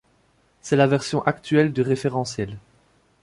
C'est la version actuelle du référentiel.